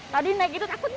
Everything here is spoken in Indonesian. tadi naik itu takut gak